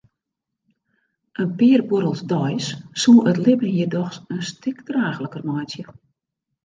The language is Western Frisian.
In pear buorrels deis soe it libben hjir dochs in stik draachliker meitsje.